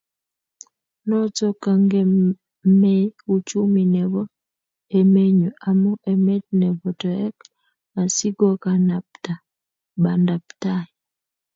Noto kongemei uchumi nebo emenyo amu emet nebo toek asikokanabta bandaptai